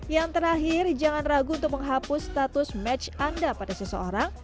yang terakhir jangan ragu untuk menghapus status match anda pada seseorang